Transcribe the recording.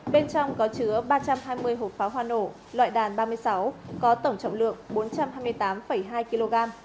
bên trong có chứa ba trăm hai mươi hộp pháo hoa nổ loại đàn ba mươi sáu có tổng trọng lượng bốn trăm hai mươi tám hai kg